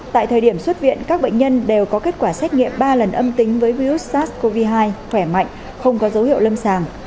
tại thời điểm xuất viện các bệnh nhân đều có kết quả xét nghiệm ba lần âm tính với virus sars cov hai khỏe mạnh không có dấu hiệu lâm sàng